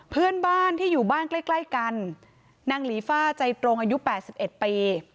เพื่อนบ้านที่อยู่บ้านใกล้กันนางหลีฟ่าใจตรงอายุ๘๑ปี